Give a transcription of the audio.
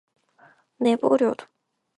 내버려둬.